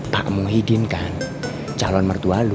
pakmu hidinkan calon mertua lo